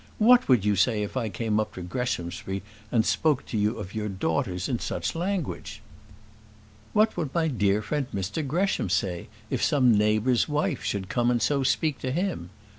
What would you say if I came up to Greshamsbury, and spoke to you of your daughters in such language? What would my dear friend Mr Gresham say, if some neighbour's wife should come and so speak to him?